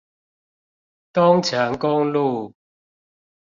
東成公路